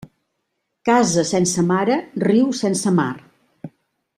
Casa sense mare, riu sense mar.